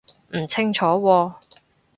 唔清楚喎